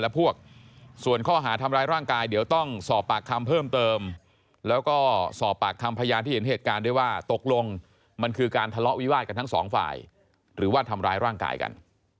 และพวกส่วนข้อหาทำร้ายร่างกายเดี๋ยวต้องสอบปากคำเพิ่มเติมแล้วก็สอบปากคำพยานที่เห็นเหตุการณ์ด้วยว่าตกลงมันคือการทะเลาะวิวาดกันทั้งสองฝ่ายหรือว่าทำร้ายร่างกายกัน